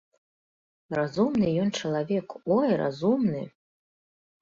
Разумны ён чалавек, ой, разумны!